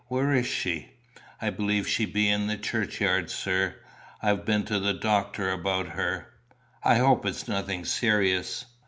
Where is she?" "I believe she be in the churchyard, sir. I've been to the doctor about her." "I hope it's nothing serious."